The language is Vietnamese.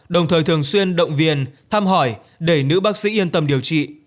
đồng thời thường xuyên động viên thăm hỏi để nữ bác sĩ yên tâm điều trị